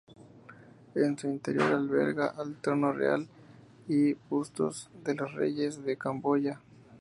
En su interior alberga el trono real y bustos de los reyes de Camboya.